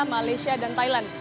malaysia dan thailand